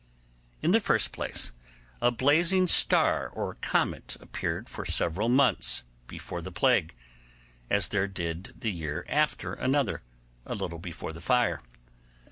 In the first place, a blazing star or comet appeared for several months before the plague, as there did the year after another, a little before the fire.